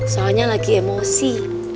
soalnya lagi emosi